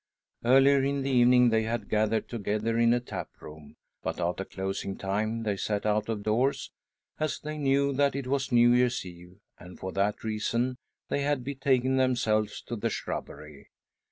Earlier in the evening they had gathered together in a lap room, but, after closing time, they sat out of doors, as they knew that it was New Year's Eve, and for that reason they had betaken themselves to the shrubbery.